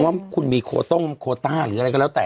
ว่าคุณมีโคต้งโคต้าหรืออะไรก็แล้วแต่